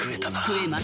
食えます。